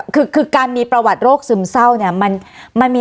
คือการมีประวัติโรคซึมเศร้าเนี่ย